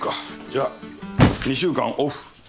じゃ２週間オフ。